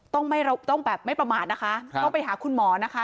ไม่ต้องไม่ต้องแบบไม่ประมาทนะคะต้องไปหาคุณหมอนะคะ